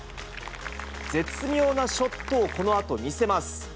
絶妙なショットをこのあと見せます。